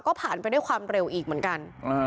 ก็ผ่านไปด้วยความเร็วอีกเหมือนกัน